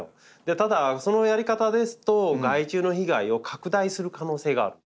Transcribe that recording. ただそのやり方ですと害虫の被害を拡大する可能性がある。